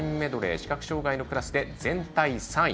視覚障がいのクラスで全体３位。